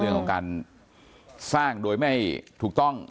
เรื่องของการสร้างโดยไม่ถูกต้อง